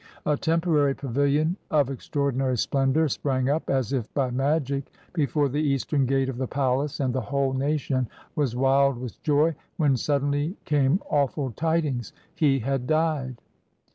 A temporary pavilion of extraordinary splendor sprang up as if by magic before the eastern gate of the palace; and the whole nation was wild with joy; when suddenly came awful tidings, — he had died!